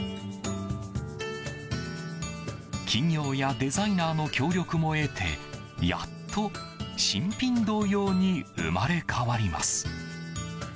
企業やデザイナーの協力も得てやっと新品同様に生まれ変わります。